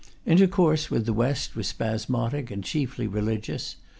Intercourse with the West was spasmodic and chiefly religious.